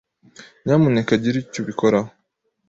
Nyamuneka gira icyo ubikoraho.